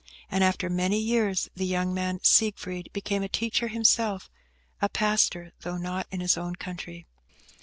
And, after many years, the young man, Siegfried, became a teacher himself–a pastor–though not in his own country.